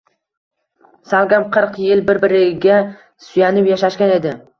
Salkam qirq yil bir-biriga suyanib yashashgan edi